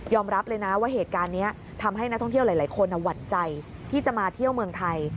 รับเลยนะว่าเหตุการณ์นี้ทำให้นักท่องเที่ยวหลายคนหวั่นใจที่จะมาเที่ยวเมืองไทย